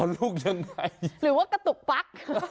หรือว่ากระตุกปั๊ก